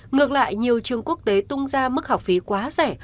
ngược lại nhiều trường quốc tế tung ra mức học phí quá rẻ